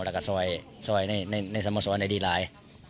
แล้วก็ซอยในสโมสรในดีไลน์